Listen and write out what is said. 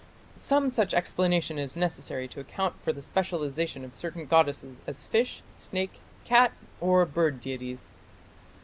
Some such explanation is necessary to account for the specialization of certain goddesses as fish, snake, cat, or bird deities.